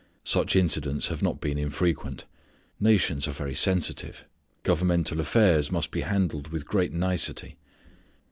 Such incidents have not been infrequent. Nations are very sensitive. Governmental affairs must be handled with great nicety.